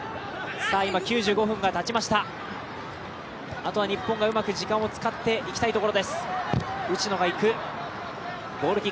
あとは日本がうまく時間を使っていきたいところです。